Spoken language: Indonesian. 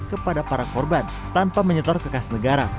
kepada para korban tanpa menyetor kekas negara